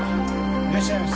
いらっしゃいませ。